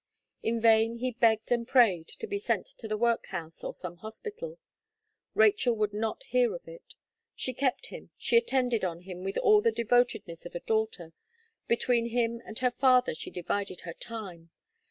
In vain he begged and prayed to be sent to the workhouse or some hospital; Rachel would not hear of it. She kept him, she attended on him with all the devotedness of a daughter; between him and her father she divided her time.